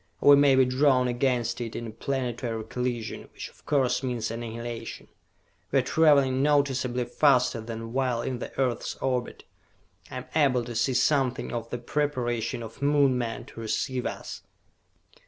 Or we may be drawn against it, in planetary collision, which of course means annihilation. We are traveling noticeably faster than while in the earth's orbit. I am able to see something of the preparation of Moon men to receive us!"